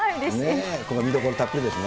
見どころたっぷりですね。